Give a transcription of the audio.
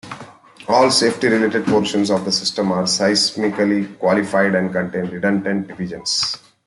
All safety-related portions of the system are seismically qualified and contain redundant divisions.